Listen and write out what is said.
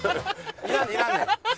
いらんねんいらんねん。